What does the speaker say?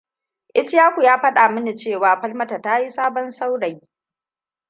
Ishaku ya fada mini cewa Falmata ta yi sabon saurayi.